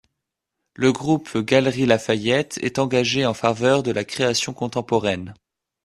Le groupe Galeries Lafayette est engagé en faveur de la création contemporaine.